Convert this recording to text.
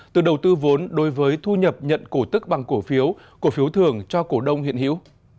từ đầu tư vốn đối với thu nhập nhận cổ tức bằng cổ phiếu cổ phiếu thường cho cổ đông hiện hữu